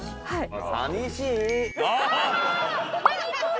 はい。